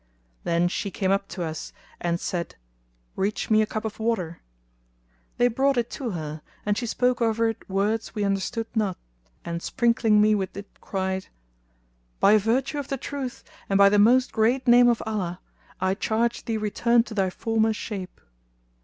Then she came up to us and said, "Reach me a cup of water." They brought it to her and she spoke over it words we understood not, and sprinkling me with it cried, "By virtue of the Truth, and by the Most Great name of Allah, I charge thee return to thy former shape."